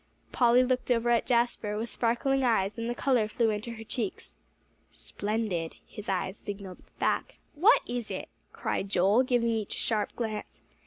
Polly looked over at Jasper, with sparkling eyes, and the color flew into her cheeks. "Splendid!" his eyes signalled back. "What is it?" cried Joel, giving each a sharp glance.